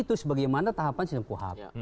itu sebagaimana tahapan senyum kuab